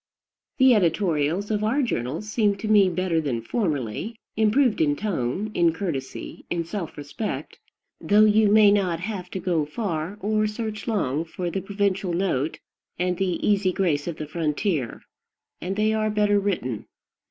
The editorials of our journals seem to me better than formerly, improved in tone, in courtesy, in self respect, though you may not have to go far or search long for the provincial note and the easy grace of the frontier, and they are better written.